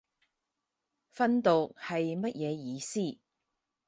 訓讀係乜嘢意思